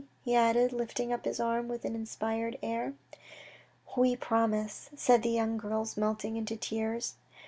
" he said, lifting up his arm with an inspired air. " We promise," said the young girls melting into tears.